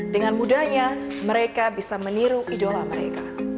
dengan mudahnya mereka bisa meniru idola mereka